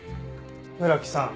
村木さん